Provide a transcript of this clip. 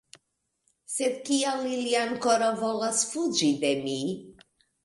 Sed kial ili ankoraŭ volas fuĝi de mi?